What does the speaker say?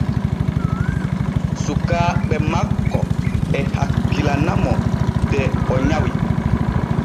Sukaaɓe makko e hakkilana mo de o nyawi.